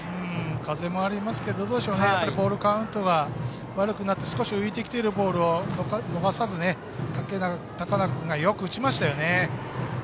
風もありますけどどうでしょうね、やっぱりボールカウントが悪くなって少し浮いてきているボールを逃さず高中君がよく打ちましたよね。